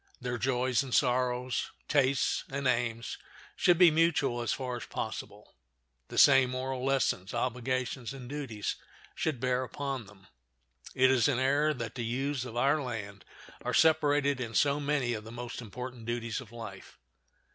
Their joys and sorrows, tastes and aims, should be mutual as far as possible. The same moral lessons, obligations, and duties should bear upon them. It is an error that the youths of our land are separated in so many of the most important duties of life.